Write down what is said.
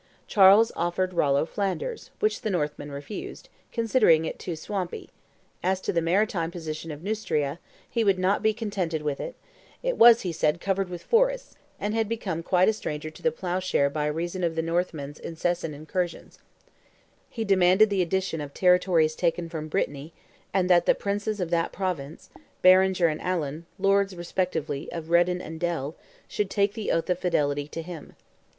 Charles offered Rollo Flanders, which the Northman refused, considering it too swampy; as to the maritime portion of Neustria, he would not be contented with it; it was, he said, covered with forests, and had become quite a stranger to the plough share by reason of the Northmen's incessant incursions; he demanded the addition of territories taken from Brittany, and that the princes of that province, Berenger and Alan, lords, respectively, of Redon and Del, should take the oath of fidelity to him.